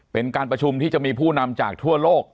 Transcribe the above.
เป็นการประชุมที่จะมีผู้นำจากทั่วโลก